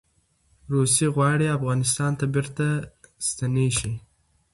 روسې غواړي افغانستان ته بیرته ستنې شي.